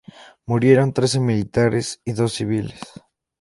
Murieron trece militares y dos civiles.